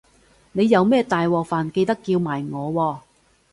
你有咩大鑊飯記得叫埋我喎